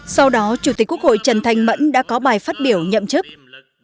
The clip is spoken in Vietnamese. sau đó chủ tịch quốc hội trần thanh mẫn đã có bài phát biểu nhậm chức